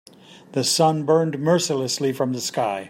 The sun burned mercilessly from the sky.